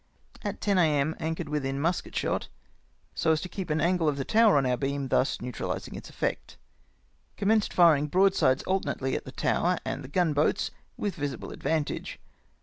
At 10 A.M. anchored within musket shot, so as to keep an angle of the tower on our beam, thus neutralising its effect. Com menced firing broadsides alternately at the tower and the gun boats, with visible advantage.